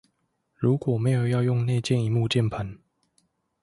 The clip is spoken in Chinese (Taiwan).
如果沒有要用內建螢幕鍵盤